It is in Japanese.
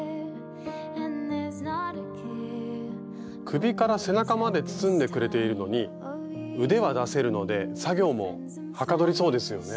首から背中まで包んでくれているのに腕は出せるので作業もはかどりそうですよね。